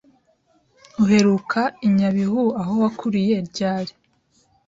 Uheruka i Nyabihu aho wakuriye ryari